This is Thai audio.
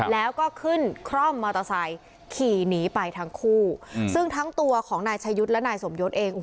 แล้วก็ขึ้นคร่อมมอเตอร์ไซค์ขี่หนีไปทั้งคู่ซึ่งทั้งตัวของนายชายุทธ์และนายสมยศเอง